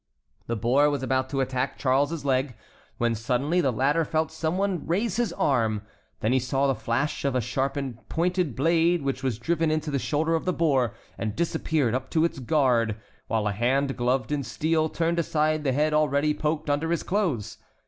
The boar was about to attack Charles's leg, when suddenly the latter felt someone raise his arm; then he saw the flash of a sharp pointed blade which was driven into the shoulder of the boar and disappeared up to its guard, while a hand gloved in steel turned aside the head already poked under his clothes.